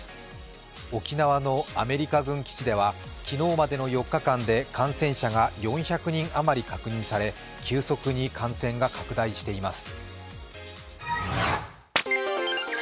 沖縄のアメリカ軍基地では昨日までの４日間で感染者が４００人余り確認され急速に感染が拡大しています。